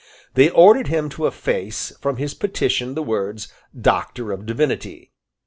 They ordered him to efface from his petition the words, "Doctor of Divinity."